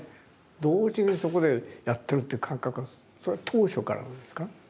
同時にそこでやってるって感覚はそれは当初からなんですか？